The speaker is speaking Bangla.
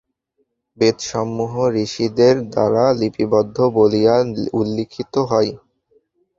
বেদসমূহ ঋষিদের দ্বারা লিপিবদ্ধ বলিয়া উল্লিখিত হয়।